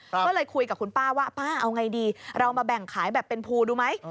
ก็เลยคุยกับคุณป้าว่าป้าเอาไงดีเรามาแบ่งขายแบบเป็นภูดูไหม